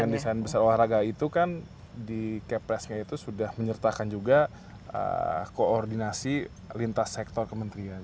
dan dengan desain besar olahraga itu kan di capresnya itu sudah menyertakan juga koordinasi lintas sektor kementerian